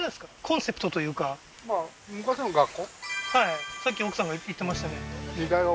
はいさっき奥さんが言ってましたね